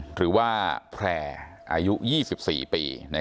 หรือว่าแพร่อายุ๒๔ปี